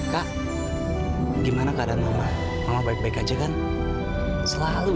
kak gimana keadaan mama mama baik baik aja kan selalu itu ma